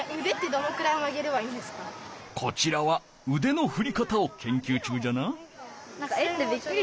こちらはうでのふり方をけんきゅう中じゃな。